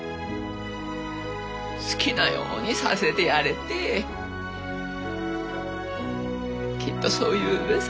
「好きなようにさせてやれ」ってきっとそう言うべさ。